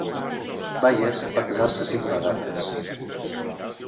Bayes va casar-se cinc vegades.